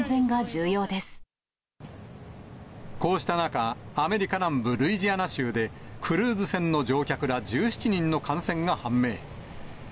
こうした中、アメリカ南部ルイジアナ州で、クルーズ船の乗客ら１７人の感染が判明。